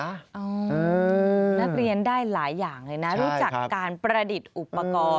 นักเรียนได้หลายอย่างเลยนะรู้จักการประดิษฐ์อุปกรณ์